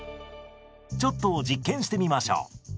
ちょっと実験してみましょう。